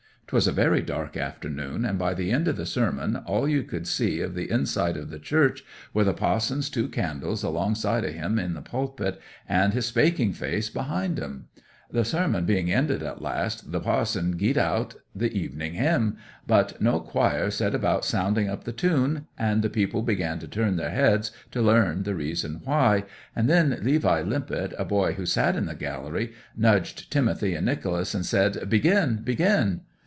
''Twas a very dark afternoon, and by the end of the sermon all you could see of the inside of the church were the pa'son's two candles alongside of him in the pulpit, and his spaking face behind 'em. The sermon being ended at last, the pa'son gie'd out the Evening Hymn. But no choir set about sounding up the tune, and the people began to turn their heads to learn the reason why, and then Levi Limpet, a boy who sat in the gallery, nudged Timothy and Nicholas, and said, "Begin! begin!"